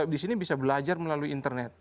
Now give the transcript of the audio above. di sini bisa belajar melalui internet